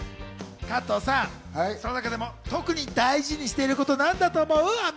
加藤さん、その中でも特に大事にしていること、なんだと思う？